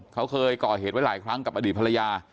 เขาเคยก่อเหตุไว้หลายครั้งกับอดีตภรรยา